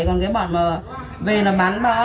còn cái bọn mà về bán bao